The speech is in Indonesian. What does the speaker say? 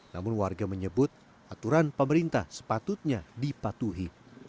namun warga menyebut aturan pemerintah sepatutnya dipatuhi